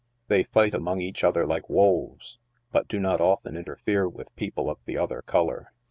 They fight among each other like wolves, but do not often interfere with people of the other color.